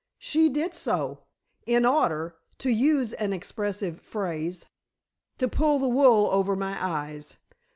"She did so, in order to use an expressive phrase to pull the wool over my eyes.